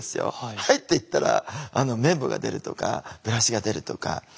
「はい」って言ったら綿棒が出るとかブラシが出るとか。